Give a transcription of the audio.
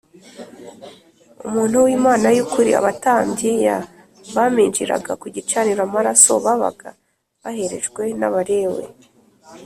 umuntu w Imana y ukuri abatambyi y baminjagiraga ku gicaniro amaraso babaga baherejwe n Abalewi